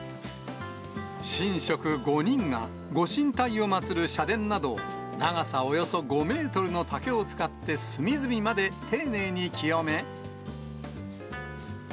神職５人がご神体を祭る社殿などを、長さおよそ５メートルの竹を使って隅々まで丁寧に清め。